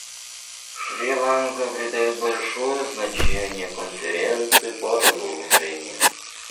Шри-Ланка придает большое значение Конференции по разоружению.